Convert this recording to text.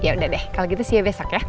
yaudah deh kalo gitu see you besok ya